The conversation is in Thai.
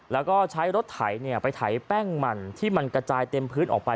แล้วก็ใช้รถไถไปไถแป้งหมั่นที่มันกระจายเต็มพื้นออกไป